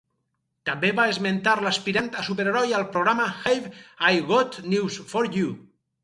També van esmentar l'aspirant a superheroi al programa "Have I Got News For You".